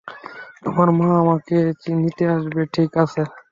তোমার মা তোমাকে নিতে আসবে, ঠিক আছে?